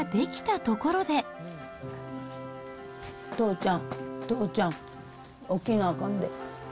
父ちゃん、父ちゃん、起きなあかんで。